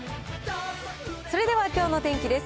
それではきょうの天気です。